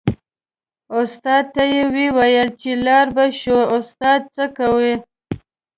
استاد ته یې و ویل چې لاړ به شو استاده څه کوې.